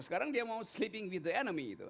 sekarang dia mau sleeping with the enemy itu